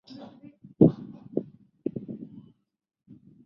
也许是因为害怕